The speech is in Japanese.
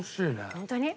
ホントに？